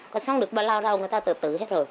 có sống được bao lâu đâu người ta tự tử hết rồi